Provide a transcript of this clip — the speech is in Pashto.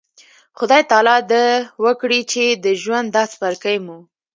خدای تعالی د وکړي چې د ژوند دا څپرکی مو